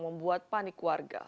membuat panik warga